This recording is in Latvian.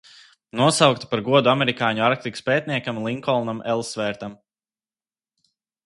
Nosaukta par godu amerikāņu Arktikas pētniekam Linkolnam Elsvērtam.